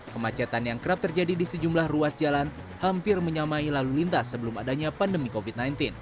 kemacetan yang kerap terjadi di sejumlah ruas jalan hampir menyamai lalu lintas sebelum adanya pandemi covid sembilan belas